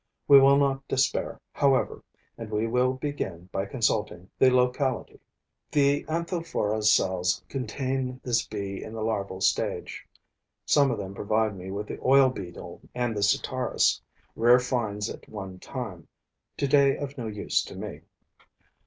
We will not despair, however, and we will begin by consulting the locality. The Anthophora's cells contain this bee in the larval stage. Some of them provide me with the oil beetle and the Sitaris, rare finds at one time, today of no use to me.